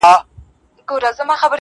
مـاتــه يــاديـــده اشـــــنـــا.